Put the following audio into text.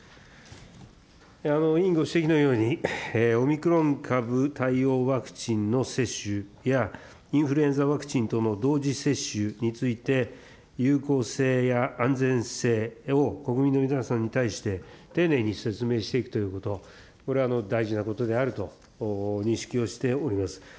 委員ご指摘のように、オミクロン株対応ワクチンの接種や、インフルエンザワクチンとの同時接種について、有効性や安全性を国民の皆さんに対して、丁寧に説明していくということ、これは大事なことであると認識をしております。